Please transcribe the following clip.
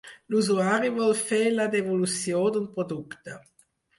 L'usuari vol fer la devolució d'un producte.